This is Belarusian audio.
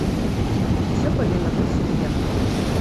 Усё павінна быць сумленна.